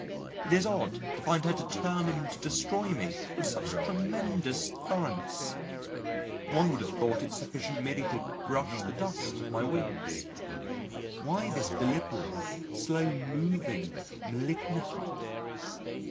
It is odd to find her determined to destroy me with such tremendous thoroughness one would have thought it sufficient merely to brush the dust off my wings. Why this deliberate, slow moving malignity?